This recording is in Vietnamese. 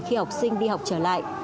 khi học sinh đi học trở lại